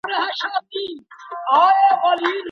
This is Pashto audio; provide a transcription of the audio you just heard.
که د ميرمني او خاوند تر منځ ستونزه حل نسوه.